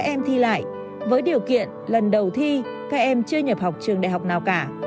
các em thi lại với điều kiện lần đầu thi các em chưa nhập học trường đại học nào cả